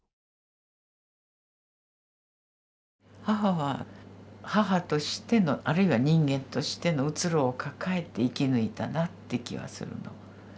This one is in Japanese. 母は母としてのあるいは人間としての虚ろを抱えて生き抜いたなって気はするの。